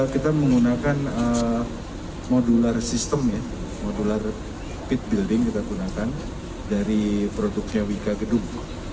kita menggunakan modular sistem ya modular pit building kita gunakan dari produknya wika gedung